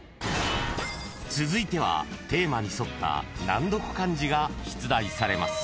［続いてはテーマに沿った難読漢字が出題されます］